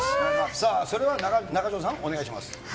さあ、それは中条さん、お願いします。